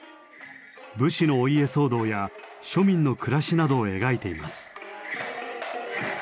武士のお家騒動や庶民の暮らしなどを描いています。